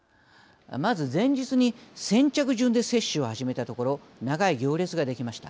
まず前日に先着順で接種を始めたところ長い行列ができました。